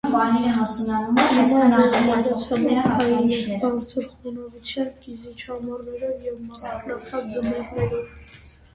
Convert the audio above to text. Կլիման մեղմ մայրացամաքային է՝ բարձր խոնավությամբ, կիզիչ ամառներով և մառախլապատ ձմեռներով։